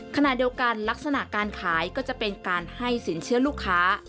ขณะเดียวกันลักษณะการขายก็จะเป็นการให้สินเชื่อลูกค้า